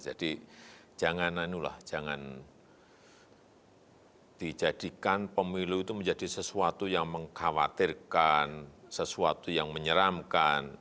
jadi jangan inilah jangan dijadikan pemilu itu menjadi sesuatu yang mengkhawatirkan sesuatu yang menyeramkan